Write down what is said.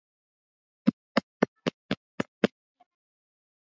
alifanikiwa kukamata pembeni ya mashua ya kuokolea